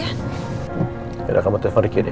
ya udah kamu telepon ricky deh